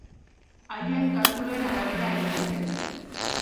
Haien kalkuluen arabera egin dute.